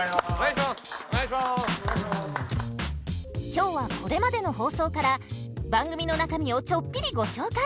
今日はこれまでの放送から番組の中身をちょっぴりご紹介。